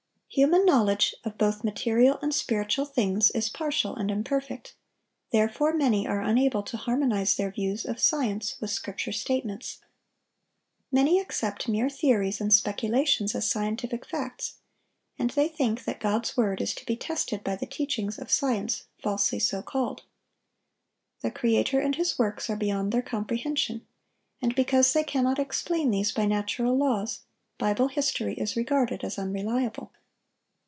Human knowledge of both material and spiritual things is partial and imperfect; therefore many are unable to harmonize their views of science with Scripture statements. Many accept mere theories and speculations as scientific facts, and they think that God's word is to be tested by the teachings of "science falsely so called."(919) The Creator and His works are beyond their comprehension; and because they cannot explain these by natural laws, Bible history is regarded as unreliable.